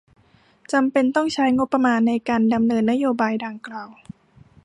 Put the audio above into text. จำเป็นต้องใช้งบประมาณ ในการดำเนินนโยบายดังกล่าว